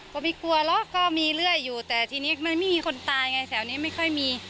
ก็ไม่กลัวหรอกก็มีเรื่อยอยู่แต่ทีนี้มันไม่มีคนตายไงแถวนี้ไม่ค่อยมี